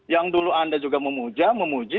yang dulu anda juga memuja memuji